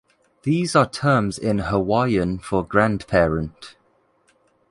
These are terms in Hawaiian for grandparent.